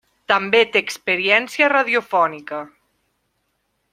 També té experiència radiofònica.